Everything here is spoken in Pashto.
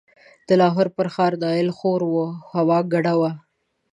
د لاهور پر ښار نایل خور و، هوا ګډه وه.